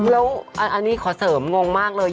แล้วอันนี้ขอเสริมงงมากเลย